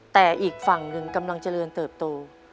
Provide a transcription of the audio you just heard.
แต่อีกฝั่งหนึ่งกำลังเจริญเติบโต